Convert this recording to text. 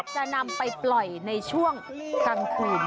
จะนำไปปล่อยในช่วงกลางคืน